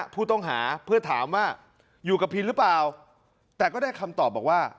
ผู้ต้องหาเพื่อถามว่าอยู่กับพินหรือเปล่าแต่ก็ได้คำตอบบอกว่า